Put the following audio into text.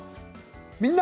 「みんな！